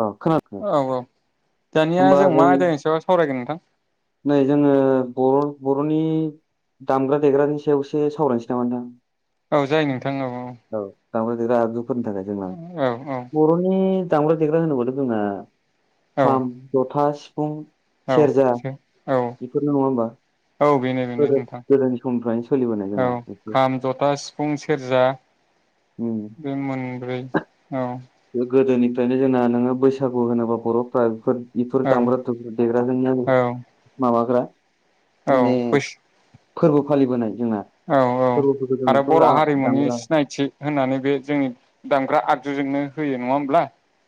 औ खोनादों औ-औ दानिया जों मा आयदानि सायाव सावरायगोन? [unintelligible] नै जोङो बर' बर'नि दामग्रा देग्रानि सायावसो सावरायनोसै नामा नोंथां? औ जायो नोंथां। औ दामग्रा देग्रा आगजुफोरनि थाखाय जोंना औ बरनि दामग्रा देग्रा होयोबाथ जोंहा। औ खाम जथास फुं। औ एसे। बेफोर नङा होमबा? औ बेनो बेनो गोदो नोंथां गोदोनि समनिफ्रायनो सोलिबोनाय जोंना औ बेफोर खाम जथा सिफुं सेरजा उम बे मोनब्रै औ। फ्रायनो जोंना नोङो बैसागु होनोबा बरफ्रा बेफोर। बेफोर औ दामग्रा दु देग्राजोंनो औ [unintelligible] माबाग्रा। माने औ बौस फोरबो फालिबोनाय। जोंना औ-औ फोरबोफोरखौ जों आरो बेफोर बरहारिमुनि दामग्रा सिनायथि होननानै बे जोंनि दामग्रा आख जु जोंनो होयो नङा होनब्ला?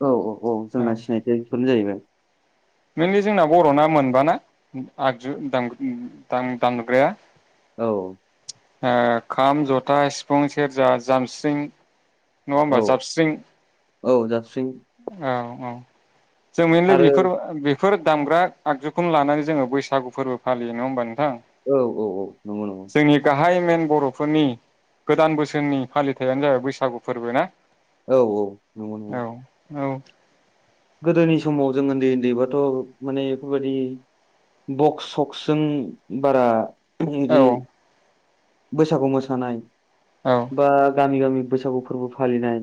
औ-औ-औ जोंना सिनायथि। [unintelligible] जाहैबाय मेनलि जोंना बर'ना मोनबाना आगजु दाम उम दाम दामग्राया? औ । आ खाम जथा सिफुं सेरजा जामस्रिं । नङा औ होमबा जाबस्रिं औ । औ । जों मैनले आरो बेफोर बेफोर दामग्रा आगजुखौनो लानानै जोङो बैसागु फोरबो फालियो नङा होमबा नों औ औ औ नंगौ नंगौ । गाहाय मेन बर'फोरनि गोदान बोसोरनि फालिथाइयानो जाबाय बैसागु फोरबो ना? औ औ नंगौ नंगौ । औ औ । गोदोनि समाव जों ओन्दै ओन्दैबाथ' माने बेफोरबादि बक्स सक्सजों बारा इदि औ इदि बैसागु मोसानाय औ बा गामि गामि बैसागु फोरबो फालिनाय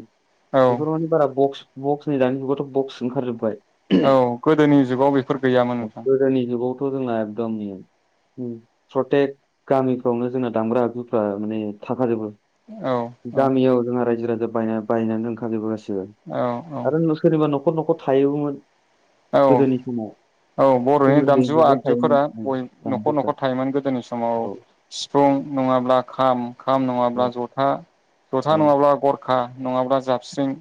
औ बेफोर माने बारा बक्स बक्स नै दानि जुगावथ' बक्स ओंखारजोब्बाय । औ गोदोनि जुगाव बे गोदोनि जुगावथ' जोंना गोमनि उम प्रतेक गामिफ्रावनो जोंना दामग्रा आगुफ्रा माने थाखाजोबो औ । औ गामियाव जोङा रायजो रा जा बायना बायनानै दोनखाजोबो गासि बो औ आरो नो सोरनिबा न' न'खर न'खर थायोबोमोन औ औ गोदोनि समाव । औ बर'नि दामजु आगजुफोरा औ, बय न'खर दामजुफ्रा न'खर थायोमोन गोदोनि समाव औ सिफुं नङा बा खाम खाम नङाब्ला जथा औ जथा नङाब्ला गरखा नङाब्ला जाबस्रिं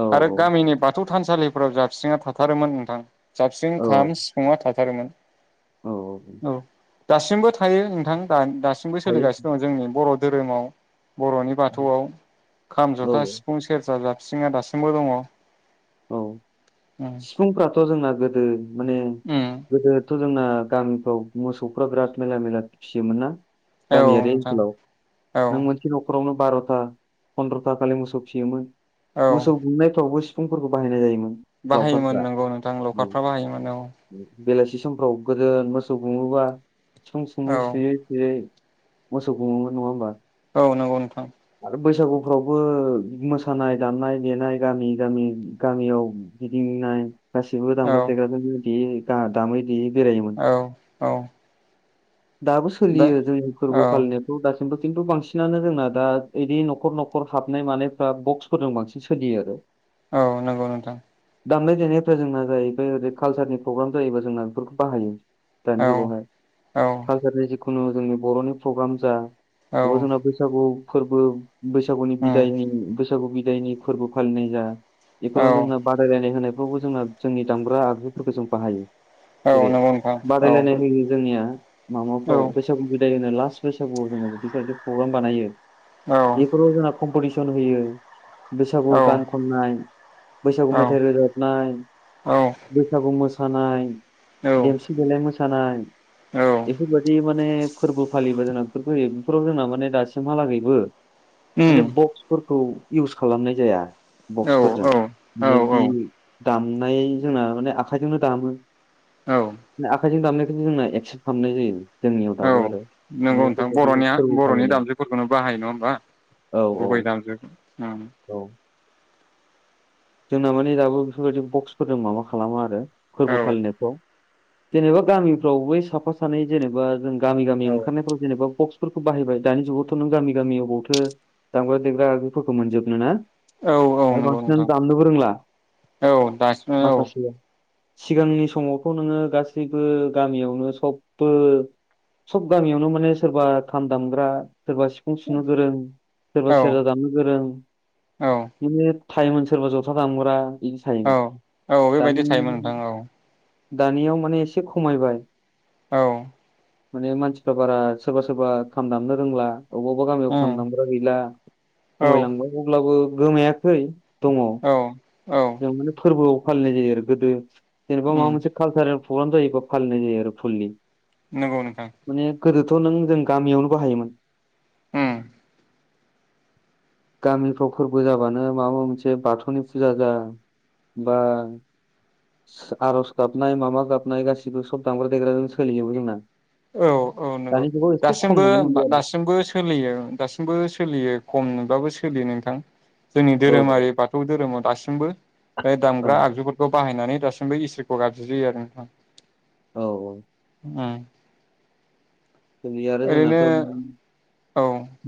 औ आरो गामिनि बाथौ थानसालिफोराव जाबस्रिङा था थारोमोन नोथां । जाबस्रिं औ खाम सिफुङा था थारोमोन । औ । दासिमबो थायो नोंथां दान था सिमबो थायो सोलिगासिनो दङ जोंनि बर' धोरोमाव बर'नि बाथौआव खाम जथा औ सिफुं सेरजा जा स्रिङा दासिमबो दङ । औ । सिफुंफ्राथ' जोंना ओ माने उम गोदो थ' जोंना गामिफ्राव मोसौफ्रा बिराद मेरला मेरला फिसियोमोन ना औ गामियारि नोंथां ओनसोलाव औ नों मोनसे न'खरावनो बार'था फन्द्रथा खालि मोसौ फियोमोन औ मोसौ गुमनायफ्रावबो फुंफोरखौ बाहायनाय जायोमोन बाहायोमोन लावखारफ्रा नोंगौ नोंथां लावखारफ्रा बाहायोमोन औ बेलासि समफ्राव गोदो मोसौ गुमोबा सम औ समङै सुयै सुयै मोसौ गुङोमोन नङा होमबा औ नंगौ नोंथां आरो बैसागुफ्रावबो मोसानाय दामनाय देनाय गामि गामि गामियाव गिदिंनाय गसिबो औ दामग्रा देग्राजो लो गे दा दामै देयै बेरायोमोन औ औ दाबो दा सोलियो जोंनि औ फोरबो फालिनायफ्राव दासि खुथु खिन्थु बांसिनानो जोंना दा बिदि न'खर न'खर हाबनाय मानायफ्रा बक्सफोरजों बांसिन सोलियो आरो औ नंगौ नोंथां दामनाय देनायफ्रा जोंना जाहैबाय ओरै कालसारनि प्रग्राम जायोबब्ला जोंना बेफोरखौ बाहायो दानि औ जुगावहाय औ खलसारनि जि जिखुनु जोंनि बर'नि प्रग्राम जा औ ब जोंना बैसागु फोरबो बैसागुनि उम बिदायनि बैसागु बिदायनि फोरबो फालिनाय जा औ बेफोराव जोंनो बादायलायनाय होनाय खौबो जोंङो जोंनि दामग्रा आगजुफोरखौ जों बाहायो औ जेरै नंगौ नोंथां औ बादायलायनाय होयो जोंनिया माबाफ्राव बैसागु बिदाय होनाय [inaudible] बैसागुआव जों बेफोरबायदि प्रग्राम बानायो औ एफोराव कम्पिटिसन होयो औ बैसागु गान खननाय बैसागु औ उम मेथाइ रोजाबनाय औ बैसागु मोसानाय खानाय देमसि देलाय मोसानाय सानाय बेफोरबादि माने फोरबो फालिबा जोंना बेफोर बेफोराव जोंना माने दासिमहालागैबो माने बक्सफोरखौ इउस खालामनाय जाया बक्सफोरजों औ माने औ जि दामनाय जोंना माने आखाइजोंनो दामो आखाइजों दामनायखौ जोंना एक्स खामनाय जायो जोंनियाव दाबो आरो नोंगौ माने नोंथां बेफोरबायदि बरनिया फोरबो बरनि फालिनाय दामजुफोरखौनो बाहायो नङा होमबा औ औ गुबै दामजु औ जोंना माने दाबो बेफोरबायदि बक्सफोरजों माबा खालामा आरो औ फोरबो फालिनायफ्राव जेनेबा गामिफ्राव बै साफा सानै जेनेबा जों गामि गामि औ ओंखारनायफ्राव जेनेबा बक्सफोरखौ बाहायबाय दानि जुगावथ नों गामि गामि अबावथो दामग्रा देग्रा आगगजुफोरखौ मोनजोबनो ना औ औ आरो नंगौ बांसिनानो नोंथां दामनोबो रोंला औ दासिम औ माखासेया सिगांनि समावथ नोङो गासैबो गामियावनो सबबो सब गामियावनो माने सोरबा खाम दामग्रा सोरबा सिफुं सुनो गोरों सोरबा सेरजा औ दानो गोरों औ बिदिनो थायोमोन सोरबा जथा दामग्रा बिदि थायोमोन औ औ बेबायदि थायोमोन नोंथां दानि औ दानियाव माने एसे एसे खमायबाय औ माने मानसिफ्रा बारा सोरबा सोरबा खाम दामनो रोंला अबेबा अबेबा गामियाव उम खाम दामग्रा गैला औ खमायलांबांय अब्लाबो गोमायाखै दङ औ [unintelligible] फोरबोआव फालिनाय जायो आरो गोदो जेनेबा माबा उम मोनसे कालसारेल प्रग्राम जायोबा फालिनाय जायो आरो फलि नंगौ नोंथां माने गोदोथ' नों जों गामियावनो बाहायोमोन उम गामिफ्राव फोरबो जाबानो माबा माबा मोनसे बाथौनि फुजा जा बा आर'ज गाबनाय माबा गाबनाय गासिबो सब दामग्रा देग्राजों सोलिजोबो जोंना औ औ नंगौ दानि जुगाव एसे खम दासिमबो नुनो मोनबाय आरो दासिमबो सोलियो दासिमबो सोलियो खमैबाबो सोलियो नों थां जोंनि औ धोरोमारि बाथौ धोरोमाव दासिम ओंबो बे औ दामग्रा आगजुफोरखौ बाहायनानै दासिमबो इसोरखौ गाबज्रियो आरो नोंथां औ औ उम ओरै आरो ओरैनो जोंनाथ औ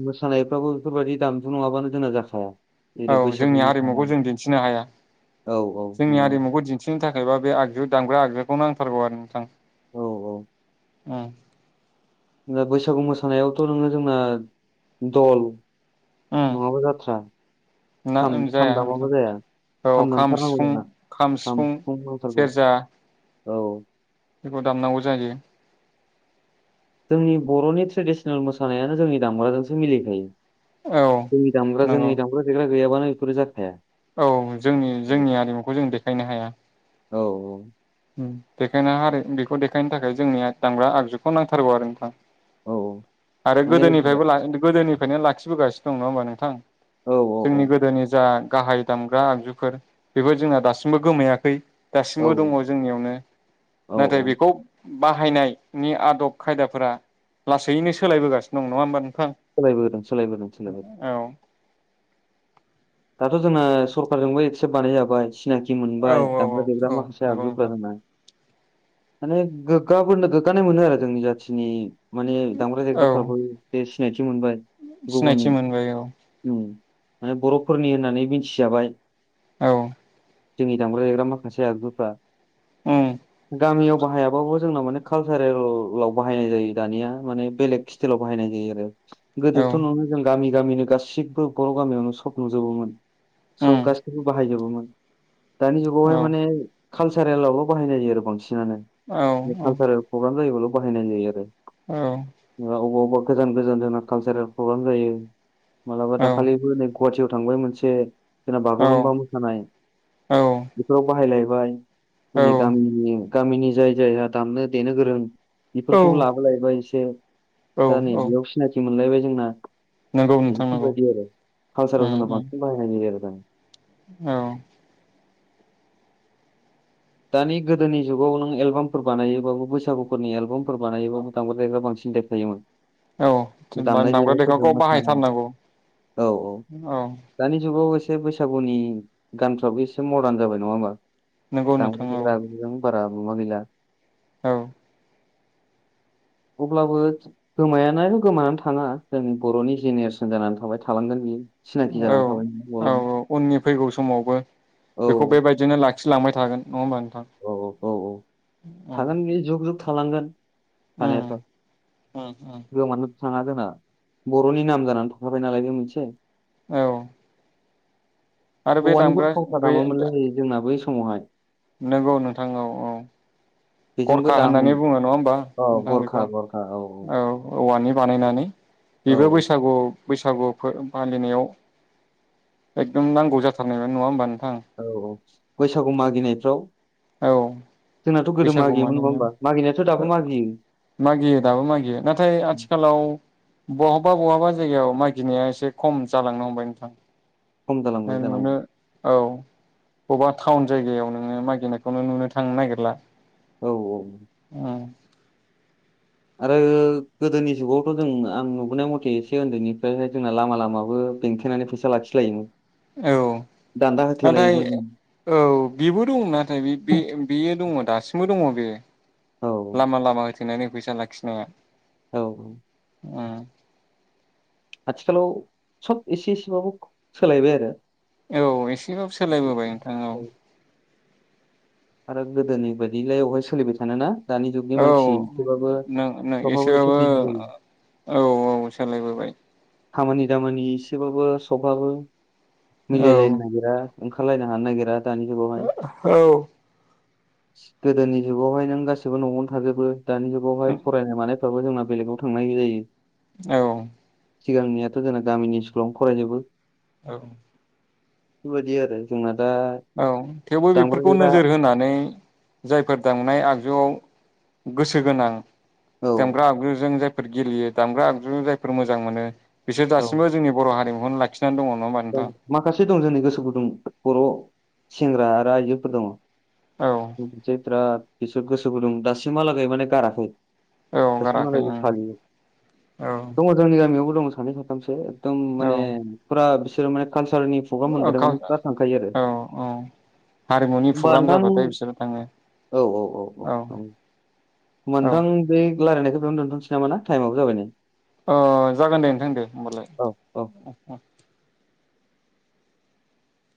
मोसानाय बेफोरबायदि दामजु' नङाबानो जोंना जाखाया जेरै औ बैसागु जोंनि हारिमुखौ मोसानाय जों दिन्थिनो हाया औ औ जोंनि नंगौ हारिमुखौ दिन्थिनो थाखायबा बे आगजु दामग्रा आगजु खौ नांथारगौ आरो नोंथां औ औ उम दा बैसागु मोसानायावथ' नोङो जोंना दल उम नङाबा जाथ्रा ना खाम ओं खाम जाया दामाबा नोंथां जाया औ खाम दामथारनांगौ सिफुं जोंना खाम सिफुं सेरजा औ बेखौ दामनांगौ जायो जोंनि बर'नि ट्रेडिसनेल मोसानायानो जोंनि दामग्राजोंसो मिलिखायो औ जोंनि दामग्रा नंगौ जोंनि दामग्रा देग्रा गैयाबानो बेफोरो जाखाया औ जोंनि औ जोंनि आरिमुखौ जों देखायनो हाया औ औ देखायनो आरो बेखौ देखायनो थाखाय जोंनिया दामग्रा आगजुखौ नांथारगौ आरो नोंथां औ आरो माने गोदोनिफ्रायबो ला गोदोनि बेखायनो लाखिबोगासिनो दं नङा होमबा नोंथां औ जोंनि औ गोदोनि जा गाहाय दामग्रा आगजुफोर बेबो जोंना दासिमबो गोमायाखै औ दासिमबो दङ नियावनो नाथाय औ बेखौ बाहायनाय नि आदब खायदाफोरा लासैनो सोलायबोगासिनो दं नङा होमबानो सोलायबोदों सोलायबोदों सोलायबोदों औ दाथ' जोंना सरखारजोंबो एक्सेप्ट बानाय जाबाय जेनोखि मोनबाय औ औ दामग्रा औ देग्रा माखासे नंगौ आगजुफोर नोंथां आरो ना माने गोग्गाबोनो गोग्गानाय मोनो आरो जोंनि जाथिनि माने दामग्रा औ देगग्राफ्राबो बे मोनबाय गुबुन सिनायथि मोनबाय औ ओम माने बर'फोरनि होननानै मिथिजाबाय औ। जोंनि दामग्रा देग्रा माखासे आगुफ्रा उम। गामियाव बाहायाबाबो जोंना माने कालसारेलाव बाहायनाय जायो दानिया माने बेलेग स्टाइलाव बाहायनाय जायो आरो औ गोदोथ' न'आवनो जों गामि गामिनो गासिबो बर' गामियावनो सब नुजोबोमोन उम सब गासैबो बाहायजोबोमोन। दानि औ जुगावहाय माने कालसारेलावल' बाहायनाय जायो आरो बां सिनानो औ बे कालसारेल प्रग्राम जायोबाल' बाहायनाय जायो आरो औ जा अबेबा अबेबा गोजान गोजान जोंना कालसारेल प्रग्राम जायो मालाबा औ दाखालिबो नै गुवाहाटियाव थांबाय मोनसे जोंना बागुरुम्बा मोसानाय बेफोराव बाहायलायबाय जोंनि गामिनि गामिनि जाय जायहा दामनो देनो गोरों औ बेफोरखौबो लाबो लायबाय ए से। दा नै औ औ बेयाव सिनाखि मोनलायबाय जोंना नंगौ नोंथां नंगौ बेफोरबायदि आरो कालसारेलाव उम जोंना उम औ बांसिन बाहायनाय जायो आरो दा। दानि गोदोनि जुगाव नों एलबामफोर बानायोबाबो बैसागुफोरनि एलबामफोर बानायोबाबो दांग्राय दायग्रा बांसिन देरखायोमोन। जेनबा दामग्रा देग्राखौ बाहायथारनांगौ औ। दानि जुगाव एसे बैसागुनि गानफ्राबो एसे मदार्न जाबाय नङा होमबा? नंगौ दामग्रा नोंथां औ देग्रा आगजुजों बारा माबा गैला औ। अब्लाबो गोमायाना गोमानानै थाङा जों बर'नि जेनेरेसन जानानै थाबाय थालांगोन बियो सिनाखि औ जानानै थाबाय नालाय औ बर'नि। उननि फैगौ समावबो औ बेखौ बेबायदिनो ला खिलांबाय थागोन नङा होनबा थां? औ औ औ थागोन बे जुक जुग थालांगोन। उम थानायाथ' उम उम [unintelligible] थाङा जोंना बर'नि नाम जानानै थखाबाय नालाय बे मोनसे औ। आरो बे औवानिबो दामग्रा थावसा गै दामामोनलै जोंनाबो बै समावहाय नंगौ नोंथां औ औ बेजोंबो गरखा दामो होननानै बुङो नङा होमबा औ नोंथां बेखौ गरखा गरखा औ औवानि बानायनानै औ बेबो बैसागुआव बैसागु फालिनायाव एकदम नांगौ जाथारनायमोन नङा होमबानो औ औ बैसागु मागिनायफ्राव औ जोंनाथ' गोदो बैसागु मागियोमोन नङा मागियो होमबा मागिनायाथ' दाबो मागियो दाबो मागियो नाथाय आथिखालाव बहाबा बहाबा जायगायाव मागिनाया एसे खम जालांनो हमबाय नोंथां खम जालांबाय जालांबाय नुनो औ बबेबा टाउन जायगायाव नोङो मागिनायखौनो नुनो थांनो नागिरला औ औ आरो गोदोनि जुगावथ' जों आं नुबोनाय मथे एसे उन्दैनिफ्रायाय जोंना लामा लामाबो बेंथेनानै फैसा लाखिलायोमोन औ दान्दा नाथाय होथेलायोमोन जों औ बेबो दं नाथाय बेयो दङ दासिमबो दङ बे औ लामा लामा सोनानै फैसा लाखिनाया औ औ उम आथिखालाव सब एसे एसेबाबो सोलायबाय आरो औ एसेबाबो सोलायबोबाय नोंथां औ आरो गोदोनि बायदिलाय बेवहाय सोलिबाय थानोना दानि जुगनि औ मानसि नों नों सबाबो एसे एसेबाबो बिजि जायो औ औ सोलायबोबाय खामानि दामानि एसेबाबो औ मिलायलायनो नागिरा। ओंखारलायनो हानो नागिरा। दानि जुगावहाय औ। गोदोनि जुगावहाय नों गासैबो न'आवनो थाजोबो। दानि जुगावहाय फरायनाय मानाय जोंना बेलेगाव थांनाय जायो। औ। सिगांनियाथ' जोंना गामिनि स्कुलावनो फरायजोबो। औ। बेबायदि आरो जोंना। दा औ थेवबो दामग्रा बेफोरखौ देग्रा नोजोर होनानै जायफोर दामनाय आगजुआव गोसो गोनां। औ दामग्रा आग्रुजों फोर गेलेयो दामग्रा आगजुजो जायफोर मोजां मोनो बिसोर औ दासिमबो जोंनि बर' हारिमु [unintelligible] दं माखासे दं जोंनि गोसो गुदुं बर' सेंग्रा आरो आइजोफोर दङ। औ [unintelligible] फिसो गोसो गुदुं दासिमालागै माने गाराखै। औ गाराखै दासिमालागै ओं फालियो दङ जोंनि गामियावबो दङ। सानै साथामसो ओद दम औ माने फुरास सोर मानेत कालसारनि प्रग्राम होनबाथाय औ माने फरा थांखायो आरो औ औ हारिमुनि ओमबा प्रग्राम नोंथां जाबाथाय बिसोरो थाङो औ औ औ औ। होमबा औ नोंथां बे रायलायखौ बेयाव दोनथ'नोसै नामा ना टायेमबो जाबाय नै अ जागोन दे नोंथां दे ओमबालाय औ औ उम उम